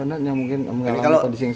untuk memantau kondisi air laut pasang